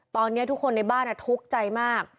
ตอนนี้ทุกคนในบ้านทุกข์ใจมาก